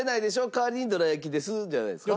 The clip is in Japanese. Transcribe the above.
代わりにどら焼きですじゃないですか？